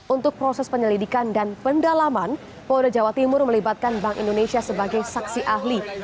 untuk proses penyelidikan dan pendalaman polda jawa timur melibatkan bank indonesia sebagai saksi ahli